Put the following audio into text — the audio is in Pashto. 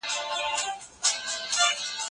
ايا حضوري ټولګي د عملي فعالیتونو فرصتونه زیاتوي؟